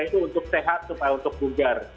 itu untuk sehat supaya untuk bugar